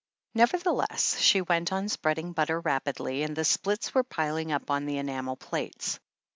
Nevertheless, she went on spreading butter rapidly, and the splits were piling up on the enamel plates.